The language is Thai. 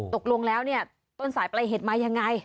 ตกลงแล้วเนี่ยต้นสายปลายเหตุมายังไง